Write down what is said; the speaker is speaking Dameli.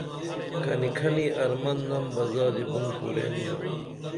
کھنی کھنی ارمن نم بہ زادی بُن پورین ینا